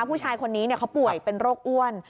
ผู้ชายคนนี้เขาป่วยเป็นโรคอ้วน